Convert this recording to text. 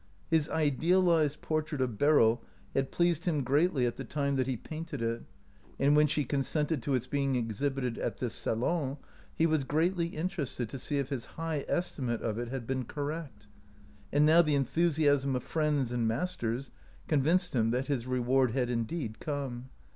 His idealized portrait of Beryl had pleased him greatly at the time that he painted it, and when she consented to its being exhibited at this salon he was greatly interested to see if his high estimate of it had been correct ; and now the enthusiasm of friends and masters convinced him that his reward had indeed come.